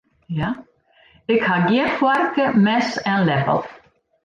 Ik ha gjin foarke, mes en leppel.